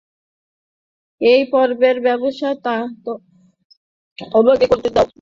এই পর্বের ব্যবস্থা আমাকে করতে দাও।